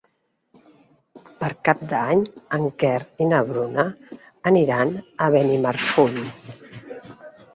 Per Cap d'Any en Quer i na Bruna aniran a Benimarfull.